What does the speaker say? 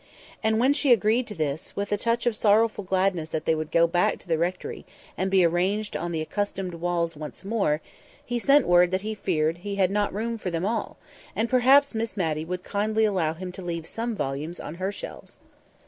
And when she agreed to this, with a touch of sorrowful gladness that they would go back to the rectory and be arranged on the accustomed walls once more, he sent word that he feared that he had not room for them all, and perhaps Miss Matty would kindly allow him to leave some volumes on her shelves.